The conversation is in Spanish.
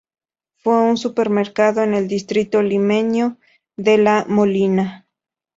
Fue un supermercado en el distrito limeño de La Molina.